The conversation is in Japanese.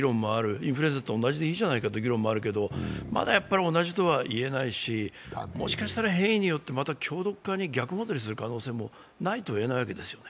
インフルエンザと同じでいいじゃないかという議論もあるけども、まだやっぱり同じとは言えないし、もしかしたら変異によってまた強毒化に逆戻りする可能性もなくはないわけですよね。